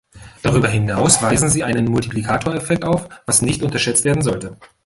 Darüber hinaus weisen sie einen Multiplikatoreffekt auf, was nicht unterschätzt werden sollte.